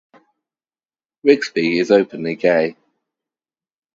Rigsby is openly gay.